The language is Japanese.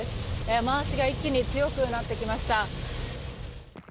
雨脚が一気に強くなってきました。